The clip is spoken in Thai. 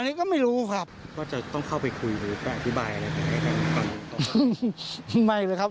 อันนี้ก็ไม่รู้ครับว่าจะต้องเข้าไปคุยหรือแปลอธิบายอะไรไม่เลยครับ